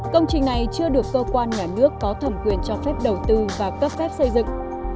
công trình này chưa được cơ quan nhà nước có thẩm quyền cho phép đầu tư và cấp phép xây dựng